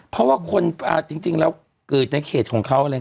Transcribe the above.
เพราะว่าคนจริงแล้วเกิดในเขตของเขาอะไร